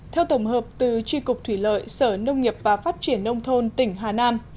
theo tổng hợp từ tri cục thủy lợi sở nông nghiệp và phát triển nông thôn tỉnh hà nam